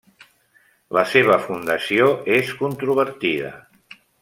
La seva fundació és controvertida.